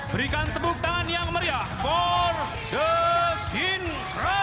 berikan tepuk tangan yang meriah for the sintra